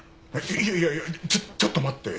いやいやいやちょちょっと待って。